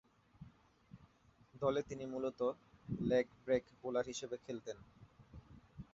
দলে তিনি মূলতঃ লেগ ব্রেক বোলার হিসেবে খেলতেন।